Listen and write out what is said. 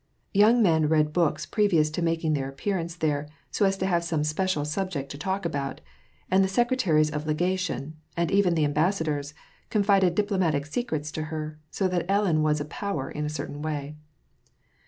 Young men read books previous to making their appearance there, so as to have some special subject to talk about ; and the secretaries of legation, and even the ambassadors, confided diplomatic secrets to her, so that Ellen was a power in a certain way.